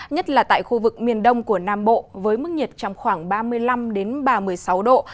nhất là tại khu vực miền đông của nam bộ với mức nhiệt trong khoảng ba mươi năm ba mươi sáu độ